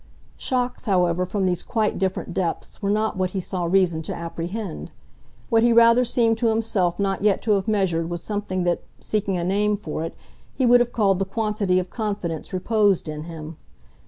Shocks, however, from these quite different depths, were not what he saw reason to apprehend; what he rather seemed to himself not yet to have measured was something that, seeking a name for it, he would have called the quantity of confidence reposed in him.